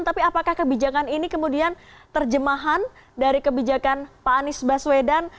tapi apakah kebijakan ini kemudian terjemahan dari kebijakan pak anies baswedan